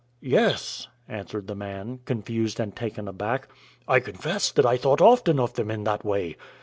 "Yes," answered the man, confused and taken aback, "I confess that I thought often of them in that way.